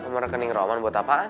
ngomong rekening roman buat apaan